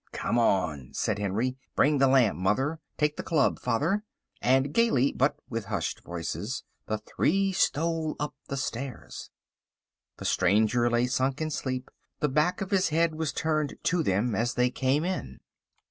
"Come on," said Henry; "bring the lamp, mother, take the club, father," and gaily, but with hushed voices, the three stole up the stairs. The stranger lay sunk in sleep. The back of his head was turned to them as they came in.